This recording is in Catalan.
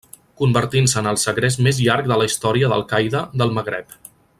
Convertint-se en el segrest més llarg de la història d'Al-Qaida del Magreb.